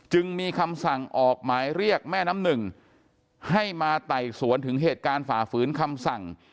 จึงมีคำสั่งออกหมายเรียกแม่น้ำหนึ่งให้มาไต่สวนถึงเหตุการณ์ฝ่าฝืนคำสั่ง